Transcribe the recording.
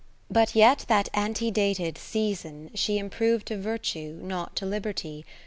But yet that antedated season she Improv'd to Virtue, not to Liberty.